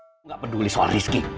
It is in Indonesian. kalo enggak aku akan lapor polisi